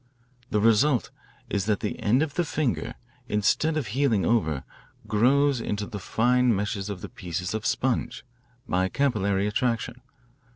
"The result is that the end of the finger, instead of healing over, grows into the fine meshes of the pieces of sponge, by capillary attraction.